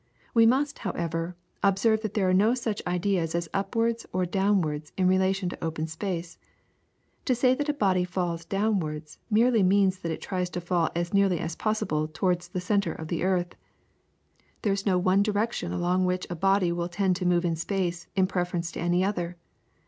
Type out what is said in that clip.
We must, however, observe that there are no such ideas as upwards or downwards in relation to open space. To say that a body falls downwards, merely means that it tries to fall as nearly as possible towards the centre of the earth. There is no one direction along which a body will tend to move in space, in preference to any other.